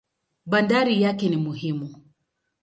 Bandari yake ni muhimu.